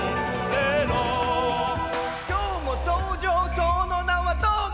「今日も登場その名はどーも」